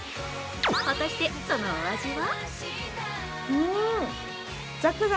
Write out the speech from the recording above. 果たしてそのお味は？